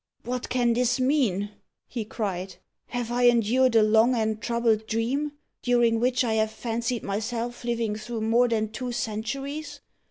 "What can this mean?" he cried. "Have I endured a long and troubled dream, during which I have fancied myself living through more than two centuries?